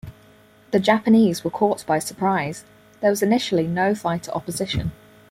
The Japanese were caught by surprise; there was initially no fighter opposition.